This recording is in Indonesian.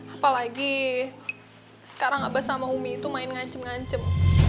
apalagi sekarang abah sama umi itu main ngancem ngancep